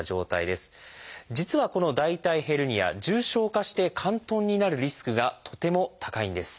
実はこの大腿ヘルニア重症化して嵌頓になるリスクがとても高いんです。